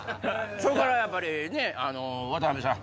それからやっぱり渡部さん。